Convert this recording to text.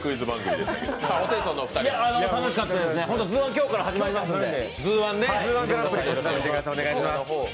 今日から始まりますので。